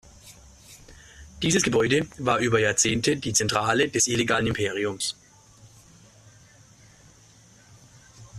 Dieses Gebäude war über Jahrzehnte die Zentrale des illegalen Imperiums.